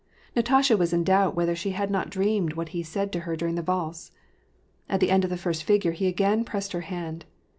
Natasha was in doubt whether she had not dreamed what he said to her during the valse. At the end of the first figure he again pressed her hand.